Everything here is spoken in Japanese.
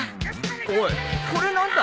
おいこれ何だ？